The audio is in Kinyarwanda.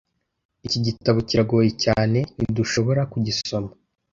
Iki gitabo kiragoye cyane, ntidushoborakugisoma.